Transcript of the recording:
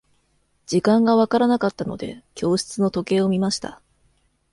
時間が分からなかったので、教室の時計を見ました。